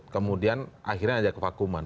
kemudian akhirnya ajak ke vakuman